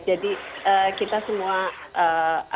jadi kita semua